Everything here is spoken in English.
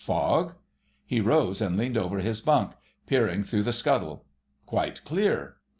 Fog? He rose and leaned over his bunk, peering through the scuttle. Quite clear.